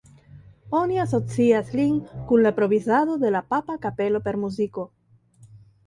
Oni asocias lin kun la provizado de la papa kapelo per muziko.